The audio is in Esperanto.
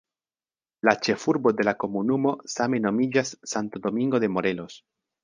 La ĉefurbo de la komunumo same nomiĝas "Santo Domingo de Morelos".